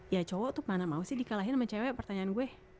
ya cowok tuh mana mau sih dikalahin sama cewek pertanyaan gue